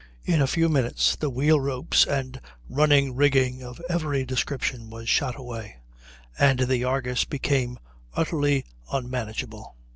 In a few minutes the wheel ropes and running rigging of every description were shot away, and the Argus became utterly unmanageable.